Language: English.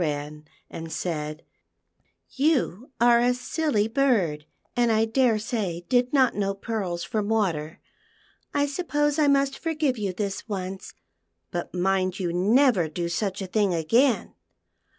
Wren, and said, "You are a silly bird, and I daresay did not know pearls from water. I suppose I must forgive you this once, but mind you never do such a thing again."